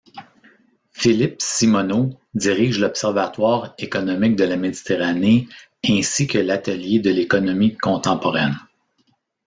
Philippe Simonnot dirige l'Observatoire économique de la Méditerranée ainsi que l'Atelier de l'économie contemporaine.